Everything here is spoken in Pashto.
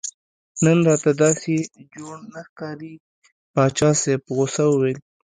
نن راته داسې جوړ نه ښکارې پاچا صاحب په غوسه وویل.